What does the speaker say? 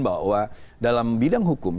bahwa dalam bidang hukum